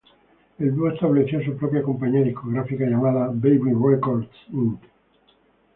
El dúo estableció su propia compañía discográfica llamada "Baby Records Inc.